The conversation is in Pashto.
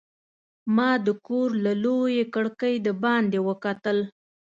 ما د کور له لویې کړکۍ د باندې وکتل.